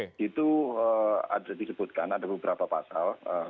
di situ ada disebutkan ada beberapa pasal